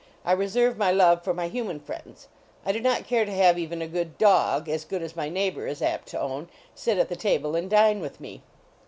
I reserve my love for my hu man friends. I do not care to have even a good dog, as good as my neighbor is apt to own, sit at the table and dine with me.